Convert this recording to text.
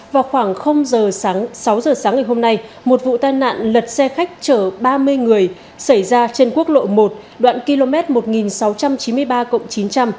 vào khoảng giờ sáng sáu giờ sáng ngày hôm nay một vụ tai nạn lật xe khách chở ba mươi người xảy ra trên quốc lộ một đoạn km một nghìn sáu trăm chín mươi ba chín trăm linh